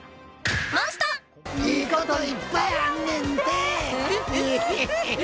いいこといっぱいあるねんて！